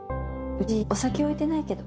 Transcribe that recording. うちお酒置いてないけど。